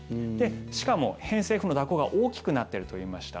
しかも偏西風の蛇行が大きくなっていると言いました。